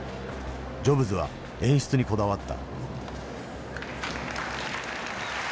ジョブズは演出にこだわった。